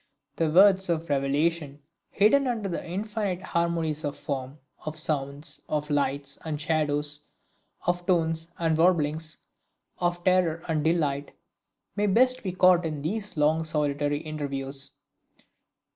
The words of revelation hidden under the infinite harmonies of form, of sounds, of lights and shadows, of tones and warblings, of terror and delight, may best be caught in these long solitary interviews.